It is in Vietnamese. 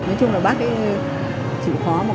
nói chung là bác ấy chỉ khó khăn